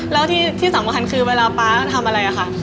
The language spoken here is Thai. แล้วที่สำคัญคือเวลาป๊าทำอะไรอะค่ะ